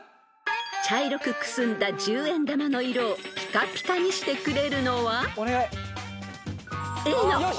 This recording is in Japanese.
［茶色くくすんだ十円玉の色をぴかぴかにしてくれるのは］